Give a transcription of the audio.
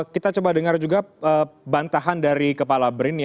kita coba dengar juga bantahan dari kepala brin ya